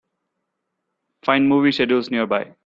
Find movie schedules nearby.